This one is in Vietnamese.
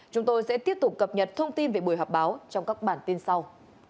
chúng tôi sẽ tiếp tục cập nhật thông tin về buổi họp báo trong các bản tin sau